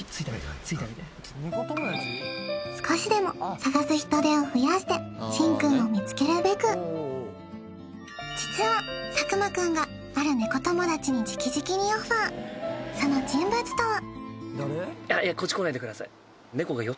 はい少しでも捜す人手を増やしてしんくんを見つけるべく実は佐久間くんがあるネコ友達にその人物とは？